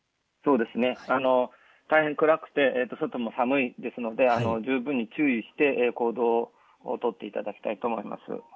そうですね大変暗くて外も寒いですので十分注意して行動を取っていただきたいと思います。